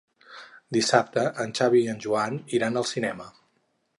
Dissabte en Xavi i en Joan iran al cinema.